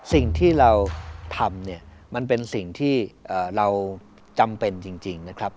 สิ่งที่เราทำเนี่ยมันเป็นสิ่งที่เราจำเป็นจริงนะครับ